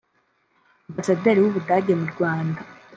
Ambasaderi w’u Budage mu Rwanda